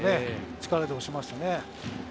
力で押しましたね。